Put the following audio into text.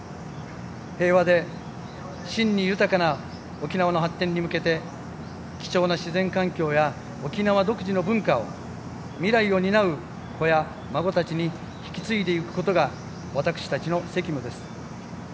平和で真に豊かな沖縄の発展に向けて貴重な自然環境や沖縄独自の文化を未来を担う子や孫たちに引き継いでいくことが私たちの責務です。